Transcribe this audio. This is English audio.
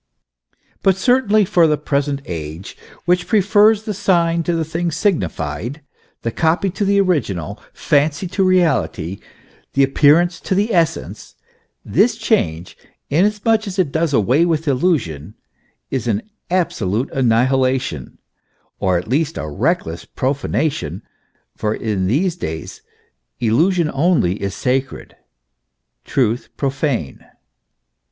But certainly for the present age, which prefers the sign to the thing signified, the copy to the original, fancy to reality, the appearance to the essence, this change, inasmuch as it does away with illusion, is an absolute annihilation, or at least a reckless profanation ; for in these days illusion only is sacred, truth profane.